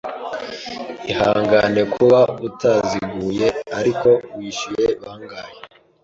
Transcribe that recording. Ihangane kuba utaziguye, ariko wishyuye bangahe?